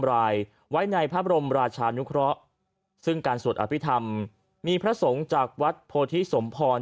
รายไว้ในพระบรมราชานุเคราะห์ซึ่งการสวดอภิษฐรรมมีพระสงฆ์จากวัดโพธิสมพร